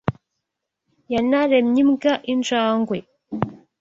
Yanaremye imbwa, injangwe